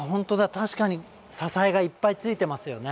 確かに支えがいっぱいついてますよね。